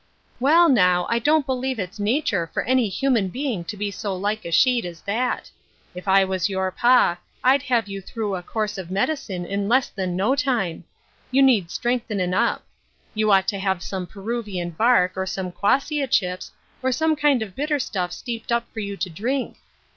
"Well, now, I don't believe it's nature for any human being to be so like a sheet as that. If I was your pa, I'd have you through a course of medicine in less than no time. You need strengthenin' up. You ought to have some Peruvian bark, or some quassia chips, or some kind of bitter stuff steeped up for you to drink. 62 Ruth Urshines Crosees.